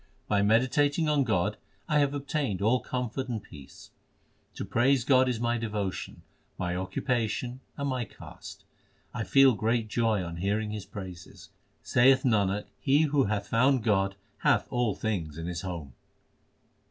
By meditating on God I have obtained all comfort and peace. To praise God is my devotion, my occupation, and my caste. I feel great joy on hearing His praises. Saith Nanak, he who hath found God Hath all things in his home.